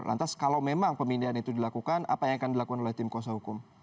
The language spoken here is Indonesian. lantas kalau memang pemindahan itu dilakukan apa yang akan dilakukan oleh tim kuasa hukum